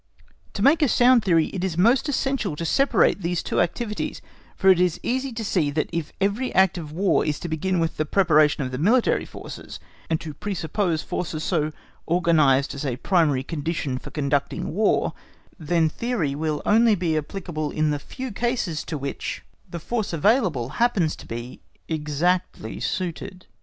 To make a sound theory it is most essential to separate these two activities, for it is easy to see that if every act of War is to begin with the preparation of military forces, and to presuppose forces so organised as a primary condition for conducting War, that theory will only be applicable in the few cases to which the force available happens to be exactly suited.